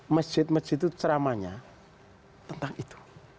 masjid masjid itu ceramanya tentang itu